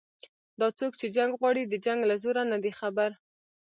دا څوک چې جنګ غواړي د جنګ له زوره نه دي خبر